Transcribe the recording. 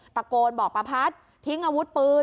ตะโกนบอกประพัดทิ้งอาวุธปืน